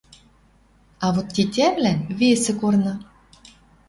А вот теявлӓн весӹ корны.